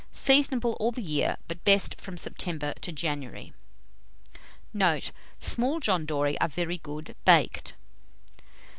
Seasonable all the year, but best from September to January. Note. Small John Dorie are very good, baked.